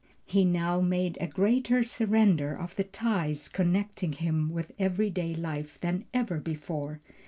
He now made a greater surrender of the ties connecting him with every day life than ever before.